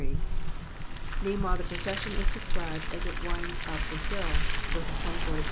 Meanwhile the procession is described as it winds up the hiU : verses 24 — 27.